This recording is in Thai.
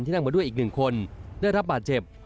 นั่งมาด้วยอีกหนึ่งคนได้รับบาดเจ็บ